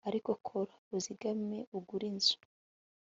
ariko kora, uzigame, ugure inzu